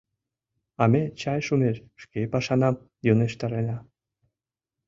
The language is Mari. А ме чай шумеш шке пашанам йӧнештарена.